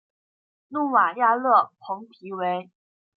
努瓦亚勒蓬提维。